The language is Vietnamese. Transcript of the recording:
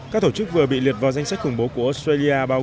các tổ chức vừa bị liệt vào danh sách khủng bố của australia bao